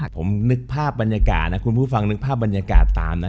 ผมนึกภาพบรรยากาศนะคุณผู้ฟังนึกภาพบรรยากาศตามนะ